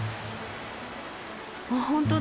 あっ本当だ。